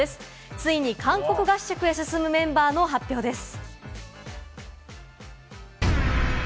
ついに韓国合宿へ進むメンバーの発表です。